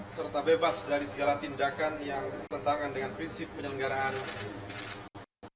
serta bebas dari segala tindakan yang tertentangan dengan prinsip penyelenggaraan olahraga nasional